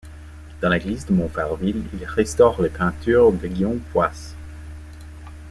Dans l'église de Montfarville, il restaure les peintures de Guillaume Fouace.